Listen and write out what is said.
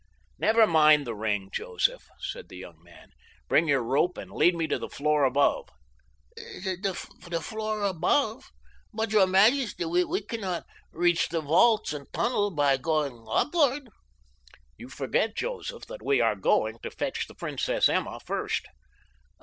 "Never mind the ring, Joseph," said the young man. "Bring your rope and lead me to the floor above." "The floor above? But, your majesty, we cannot reach the vaults and tunnel by going upward!" "You forget, Joseph, that we are going to fetch the Princess Emma first."